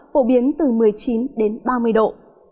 phổ biến từ một mươi chín đến ba mươi độ